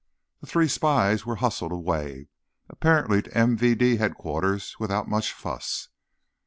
The three spies were hustled away, apparently to MVD Headquarters, without much fuss.